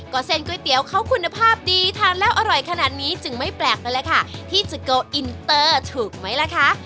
ก็เส้นก๋วยเตี๋ยวเขาคุณภาพดีทานแล้วอร่อยขนาดนี้จึงไม่แปลกนั่นแหละค่ะที่สุโกอินเตอร์ถูกไหมล่ะคะ